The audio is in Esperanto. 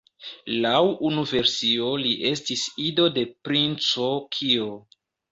Laŭ unu versio li estis ido de Princo Kio.